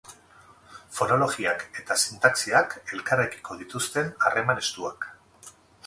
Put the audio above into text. Fonologiak eta sintaxiak elkarrekiko dituzten harreman estuak.